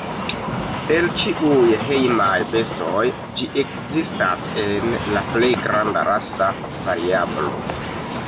El ĉiuj hejmaj bestoj ĝi ekzistas en la plej granda rasa variablo.